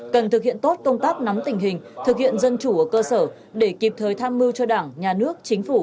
cần thực hiện tốt công tác nắm tình hình thực hiện dân chủ ở cơ sở để kịp thời tham mưu cho đảng nhà nước chính phủ